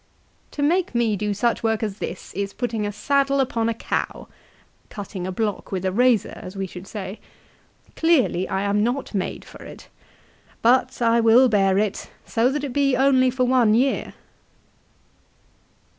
"To make me do such work as this is putting a saddle upon a cow ;" cutting a block with a razor as we should say, " Clearly I am not made for it. But I will bear it, so that it be only for one year."